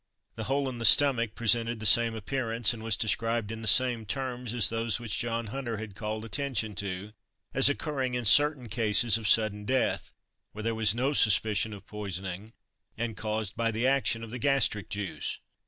The hole in the stomach presented the same appearance, and was described in the same terms as those which John Hunter had called attention to as occurring in certain cases of sudden death, where there was no suspicion of poisoning, and caused by the action of the gastric juice.